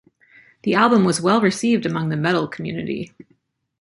The album was well received among the metal community.